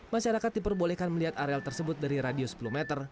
masyarakat diperbolehkan melihat areal tersebut dari radius sepuluh meter